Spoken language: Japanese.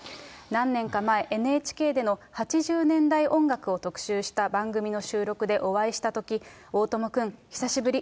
何年か前、ＮＨＫでの８０年代音楽を特集した番組の収録でお会いしたとき、大友君、久しぶり！